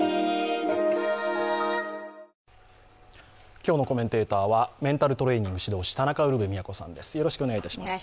今日のコメンテーターはメンタルトレーニング指導士田中ウルヴェ京さんです。